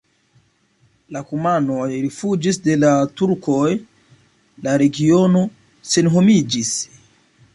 La kumanoj rifuĝis de la turkoj, la regiono senhomiĝis.